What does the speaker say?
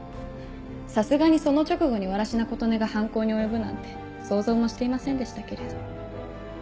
さすがにその直後に藁科琴音が犯行に及ぶなんて想像もしていませんでしたけれど。